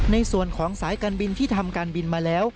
ในส่วนของสายการบินที่ทำการบินมาแล้ว